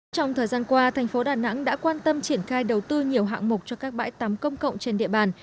trong thời gian qua thành phố đà nẵng đã quan tâm triển khai đầu tư nhiều hạng mục cho các bãi tắm công cộng trên địa bàn